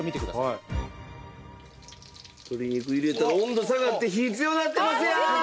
鶏肉入れた温度下がって火強なってますやん！